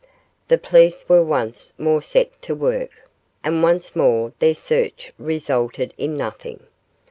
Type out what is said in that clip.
The police were once more set to work, and once more their search resulted in nothing.